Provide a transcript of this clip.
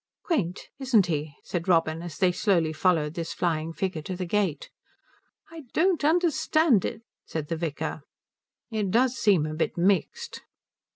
"Quaint, isn't he," said Robin as they slowly followed this flying figure to the gate. "I don't understand it," said the vicar. "It does seem a bit mixed."